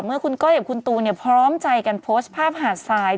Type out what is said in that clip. เมื่อคุณก้อยกับคุณตูนพร้อมใจกันโพสต์ภาพหาดทราย